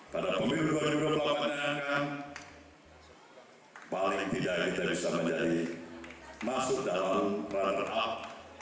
pada pemiru pemiru blok bloknya paling tidak kita bisa menjadi masuk dalam runner up